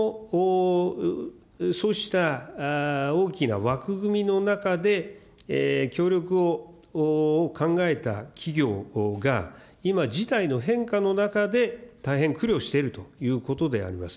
そうした大きな枠組みの中で、協力を考えた企業が、今、事態の変化の中で、大変苦慮しているということであります。